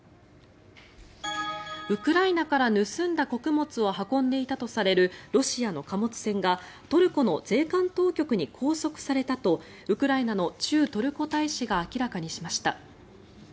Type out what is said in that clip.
ウクライナから盗んだ穀物を運んでいたとされるロシアの貨物船がトルコの税関当局に拘束されたとウクライナの駐トルコ大使が明らかにしました。